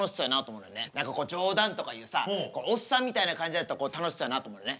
何かこう冗談とか言うさおっさんみたいな感じやったら楽しそうやなと思うよね。